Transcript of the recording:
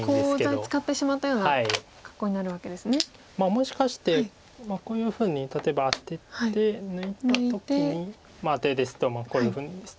もしかしてこういうふうに例えばアテて抜いた時に出ですとこういうふうに。